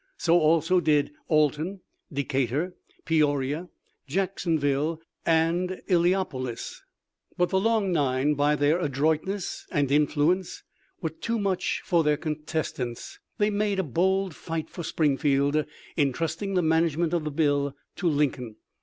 So also did Alton, Decatur, Peoria, Jacksonville, and Illiopolis. But the Long Nine, by their, adroitness and influence, were too much THE LIFE OF LINCOLN. 1 77 for their contestants. They made a bold fight for Springfield, intrusting the management of the bill to Lincoln.